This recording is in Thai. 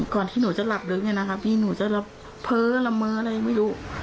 ที่หนูจะหลับลึกเนี่ยนะคะพี่หนูจะเพ้อละเม้ออะไรไม่รู้